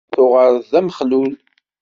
Tuɣaleḍ d amexlul?